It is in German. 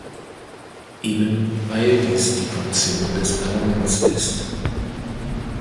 Eben weil dies die Funktion des Parlaments ist.